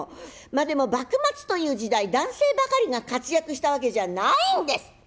まあでも幕末という時代男性ばかりが活躍したわけじゃないんです。